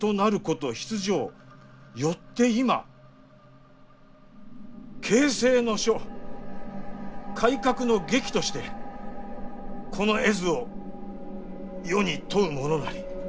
よって今警世の書改革の檄としてこの絵図を世に問うものなり」。